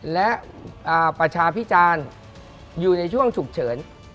และประชาพิจารณ์อยู่ในช่วงฉุกเฉิน